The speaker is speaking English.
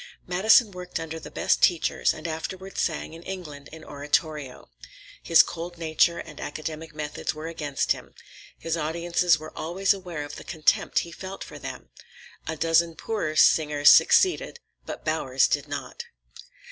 Madison worked under the best teachers, and afterward sang in England in oratorio. His cold nature and academic methods were against him. His audiences were always aware of the contempt he felt for them. A dozen poorer singers succeeded, but Bowers did not.